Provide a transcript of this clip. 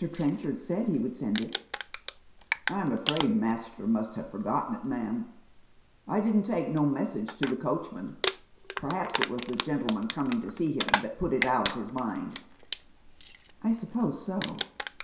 Trenchard said he would send it" " I'm afraid master must have forgotten, ma'am. I didn't take BO message to the coachman. Perhaps it was the gentleman coming to see him that put it out of his mind." " I suppose so.